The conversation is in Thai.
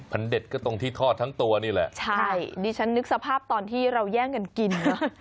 มันเด็ดก็ตรงที่ทอดทั้งตัวนี่แหละใช่ดิฉันนึกสภาพตอนที่เราแย่งกันกินเนอะ